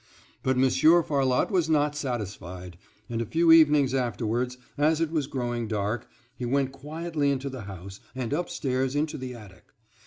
But Monsieur Farlotte was not satisfied; and a few evenings afterwards, as it was growing dusk, he went quietly into the house, and upstairs into the attic.